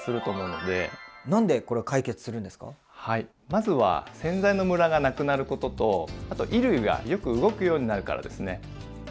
まずは洗剤のムラがなくなることとあと衣類がよく動くようになるからですね。